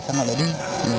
xong rồi lại đi